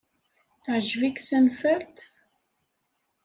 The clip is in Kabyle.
Teɛjeb-ik Seinfeld?